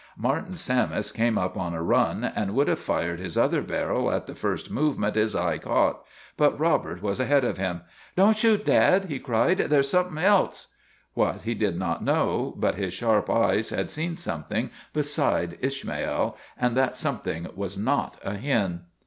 Martin Sammis came up on a run, and would have fired his other barrel at the first movement his eye caught; but Robert was ahead of him. " Don't shoot, Dad !" he cried. " There 's some thing else." What, he did not know; but his sharp eyes had seen something beside Ishmael, and that something was not a hen.